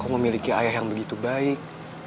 memiliki ayah yang begitu baik